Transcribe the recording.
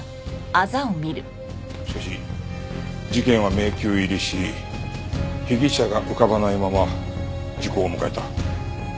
しかし事件は迷宮入りし被疑者が浮かばないまま時効を迎えた。